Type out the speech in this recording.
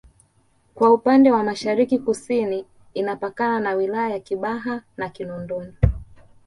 kwa upande wa Mashariki Kusini inapakana na wilaya za Kibaha na Kinondoni